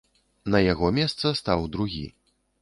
На яго месца стаў другі.